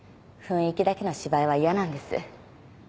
雰囲気だけの芝居は嫌なんです。